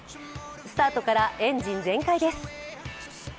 スタートからエンジン全開です。